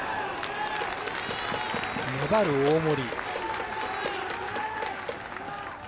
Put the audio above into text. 粘る大森。